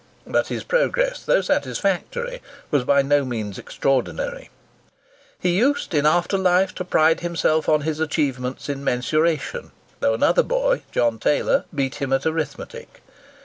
But his progress, though satisfactory, was by no means extraordinary. He used in after life to pride himself on his achievements in mensuration, though another boy, John Taylor, beat him at arithmetic.